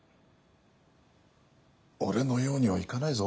俺のようにはいかないぞ。